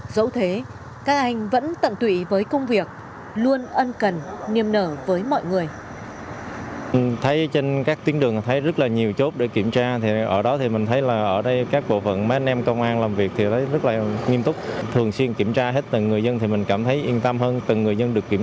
dẫu thế các anh vẫn tận tụy với công việc luôn ân cần niềm nở với mọi người